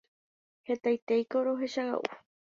hetaiténiko rohechaga'u